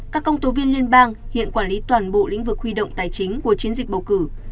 các công tố viên liên bang hiện quản lý toàn bộ lĩnh vực huy động tài chính của chiến dịch bầu cử